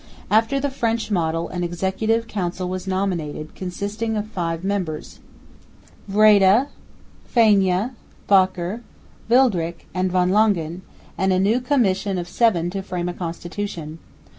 After the French model, an Executive Council was nominated, consisting of five members, Vreede, Fijnje, Fokker, Wildrik and Van Langen, and a new Commission of Seven to frame a Constitution.